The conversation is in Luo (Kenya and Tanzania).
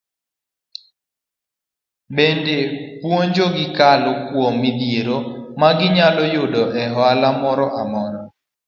Bende puonjo gi kokalo kuom midhiero magi nyalo yudo e ohala moro amora.